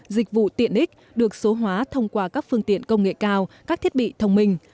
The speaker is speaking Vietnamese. dịch vụ tiện ích được số hóa thông qua các phương tiện công nghệ cao các thiết bị thông minh